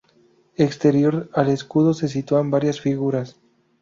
Exterior al escudo se sitúan varias figuras.